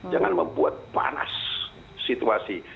jangan membuat panas situasi